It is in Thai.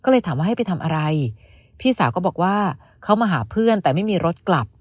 ให้ไปทำอะไรพี่สาวก็บอกว่าเขามาหาเพื่อนแต่ไม่มีรถกลับ